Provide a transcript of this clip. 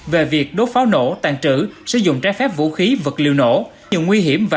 về việc đốt pháo nổ tàn trường